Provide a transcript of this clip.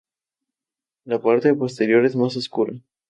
La parte posterior es más oscuro.